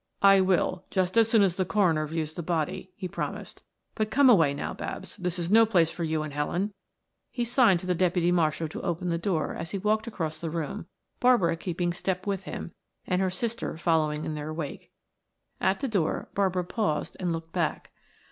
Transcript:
"I will, just as soon as the coroner views the body," he promised. "But come away now, Babs; this is no place for you and Helen." He signed to the deputy marshal to open the door as he walked across the room, Barbara keeping step with him, and her sister following in their wake. At the door Barbara paused and looked back.